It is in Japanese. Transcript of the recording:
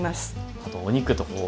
あとお肉とこう。